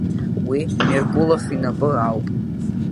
Уи Меркулов инапы ауп…